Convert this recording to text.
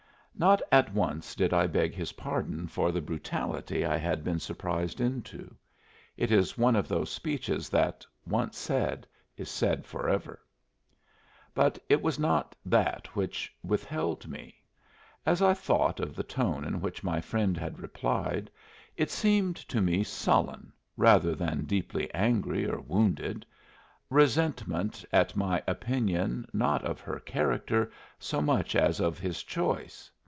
Not at once did I beg his pardon for the brutality I had been surprised into. It is one of those speeches that, once said, is said forever. But it was not that which withheld me. As I thought of the tone in which my friend had replied, it seemed to me sullen, rather than deeply angry or wounded resentment at my opinion not of her character so much as of his choice!